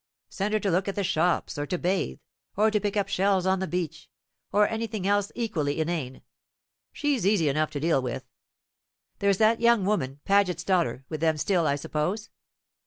Send her to look at the shops, or to bathe, or to pick up shells on the beach, or anything else equally inane. She's easy enough to deal with. There's that young woman, Paget's daughter, with them still, I suppose?